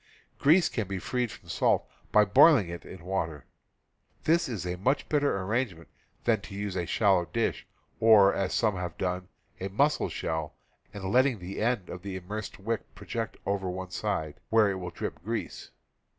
Grease can be freed from salt by boiling it in water. This is a much better arrangement than to use a shallow dish, or, as some have done, a mussel shell, and letting the end of the immersed wick project over one side, where it will drip grease.